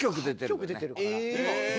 各局出てるから。